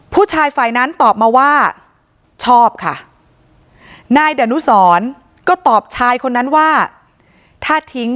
ฝ่ายนั้นตอบมาว่าชอบค่ะนายดานุสรก็ตอบชายคนนั้นว่าถ้าทิ้ง